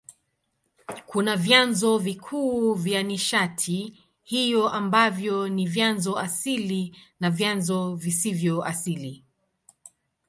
Kuna vyanzo vikuu vya nishati hiyo ambavyo ni vyanzo asili na vyanzo visivyo asili.